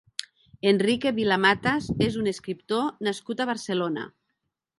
Enrique Vila-Matas és un escriptor nascut a Barcelona.